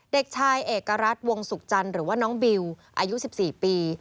เด็กชายเอกรัฐวงศุกร์จันทร์หรือว่าน้องบิวอายุ๑๔ปี